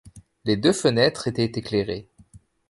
Les deux fenêtres étaient éclairées.